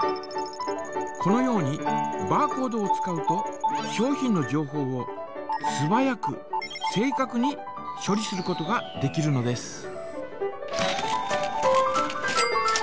このようにバーコードを使うと商品の情報をすばやく正かくにしょ理することができるのです。